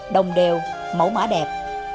đồng đều mẫu mã đẹp